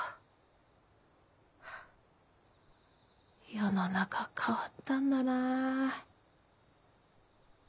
世の中変わったんだなぁ！